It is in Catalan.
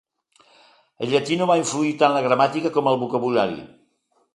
El llatí no va influir tant la gramàtica com el vocabulari.